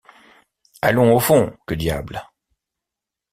Allons au fond, que diable !